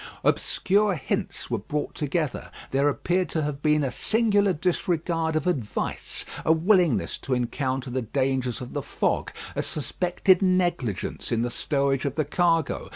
Obscure hints were brought together; there appeared to have been a singular disregard of advice; a willingness to encounter the dangers of the fog; a suspected negligence in the stowage of the cargo.